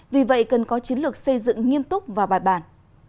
vì vậy cần có chiến lược xây dựng nghiêm túc và bài bản